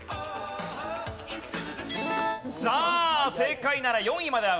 さあ正解なら４位まで上がる。